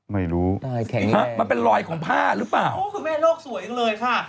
ไม่รู้แต่แข็งแรงพว่าคือแม่โลกสวยอีกเลยพ่า